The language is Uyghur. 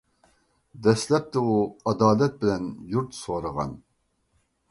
دەسلەپتە ئۇ ئادالەت بىلەن يۇرت سورىغان.